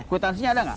kuitansinya ada gak